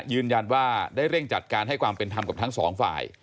ยืนยันว่าได้เร่งจัดการให้ความเป็นธรรมกับทั้งสองฝ่าย